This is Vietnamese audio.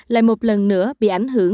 lại một lần nữa bị ảnh hưởng